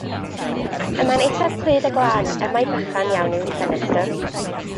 Y mae'n eithaf clyd a glân, er mai bychan iawn yw ei ffenestr.